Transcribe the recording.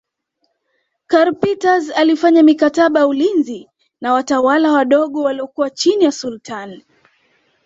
Karl Peters alifanya mikataba ya ulinzi na watawala wadogo waliokuwa chini ya Sultani